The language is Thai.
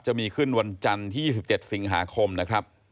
จะมีขึ้นวันจันทร์ที่๒๗สิงหาคมนะครับ